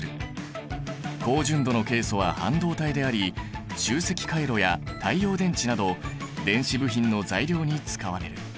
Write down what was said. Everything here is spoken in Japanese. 高純度のケイ素は半導体であり集積回路や太陽電池など電子部品の材料に使われる。